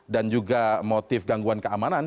juga motif gangguan keamanan